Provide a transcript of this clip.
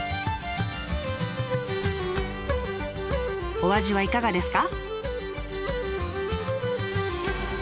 お味はいかがですか？